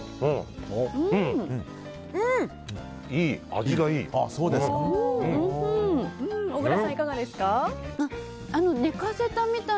味がいい。